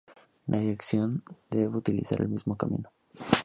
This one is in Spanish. En la otra dirección se debe utilizar el mismo camino.